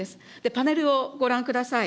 パネルをご覧ください。